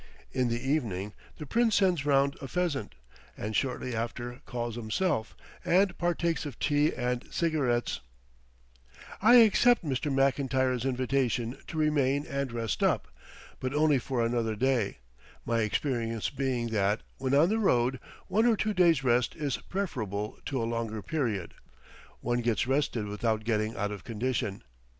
In the evening the Prince sends round a pheasant, and shortly after calls himself and partakes of tea and cigarettes, I accept Mr. McIntyre's invitation to remain and rest up, but only for another day, my experience being that, when on the road, one or two days' rest is preferable to a longer period; one gets rested without getting out of condition.